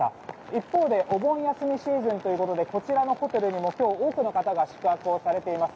一方でお盆休みシーズンということでこちらのホテルにも今日、多くの方が宿泊されています。